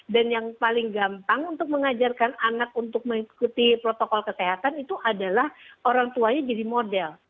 dan yang paling gampang untuk mengajarkan anak untuk mengikuti protokol kesehatan itu adalah orang tuanya jadi model